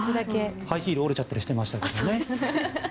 ハイヒール折れちゃったりしてましたけどね。